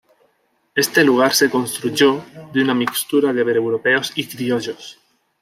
Este lugar se construyó de una mixtura de europeos y criollos.